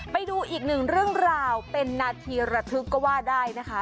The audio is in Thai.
ไปดูอีกหนึ่งเรื่องราวเป็นนาทีระทึกก็ว่าได้นะคะ